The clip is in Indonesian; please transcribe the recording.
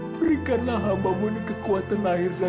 berikanlah hambamu ini kekuatan lahir dan batin